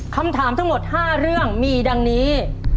คำถามทั้งหมด๕เรื่องมีดังนี้